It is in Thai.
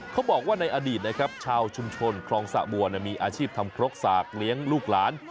เขาบอกว่าในอดีตนะครับชาวชุมชนคลองสะบัวมีอาชีพทำครกสากเลี้ยงลูกหลาน